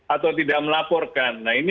atau tidak melaporkan nah ini